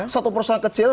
satu perusahaan kecil